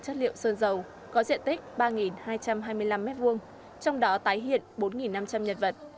chất liệu sơn dầu có diện tích ba hai trăm hai mươi năm m hai trong đó tái hiện bốn năm trăm linh nhân vật